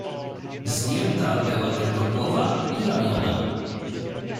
"Zdjęta była tylko głowa i ramiona."